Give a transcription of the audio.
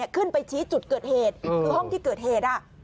ขึ้นไปชี้จุดเกิดเหตุคือห้องที่เกิดเหตุ